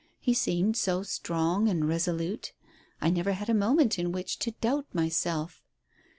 He seemed so strong and resolute. I never had a moment in which to doubt myself.